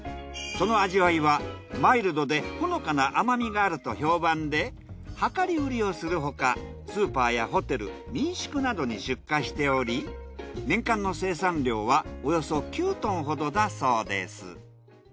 その味わいはマイルドでほのかな甘みがあると評判で量り売りをするほかスーパーやホテル民宿などに出荷しており年間の生産量はおよそ９トンほどだそうです。